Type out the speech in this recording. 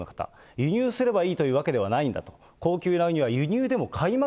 輸入すればいいというわけではないんだと。